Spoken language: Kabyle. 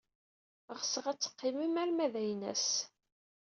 Ɣseɣ ad teqqimem arma d aynas.